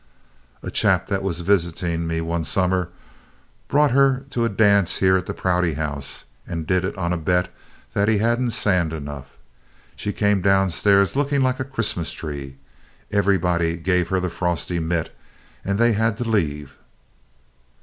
"A chap that was visiting me one summer brought her to a dance here at the Prouty House did it on a bet that he hadn't sand enough. She came downstairs looking like a Christmas tree. Everybody gave her the frosty mitt and they had to leave."